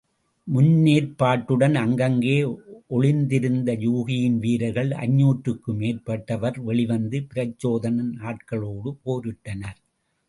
முன்னேற்பாட்டுடன் அங்கங்கே ஒளிந்திருந்த யூகியின் வீரர்கள் ஐந்நூற்றுக்கு மேற்பட்டவர் வெளிவந்து பிரச்சோதனன் ஆட்களோடு போரிட்டனர்.